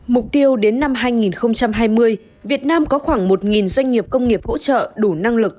mục tiêu đến năm hai nghìn hai mươi việt nam có khoảng một doanh nghiệp công nghiệp hỗ trợ đủ năng lực